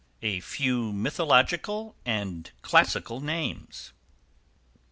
_A Few Mythological and Classical Names.